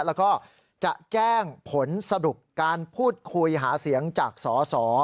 แล้วก็จะแจ้งผลสรุปการพูดคุยหาเสียงจากสส